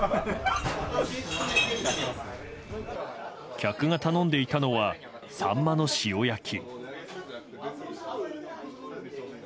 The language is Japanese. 客が頼んでいたのはサンマの塩焼き。